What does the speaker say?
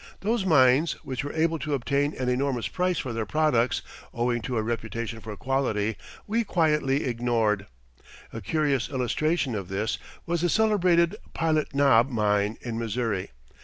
Those mines which were able to obtain an enormous price for their products, owing to a reputation for quality, we quietly ignored. A curious illustration of this was the celebrated Pilot Knob mine in Missouri.